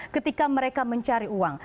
ketika mereka mencari uang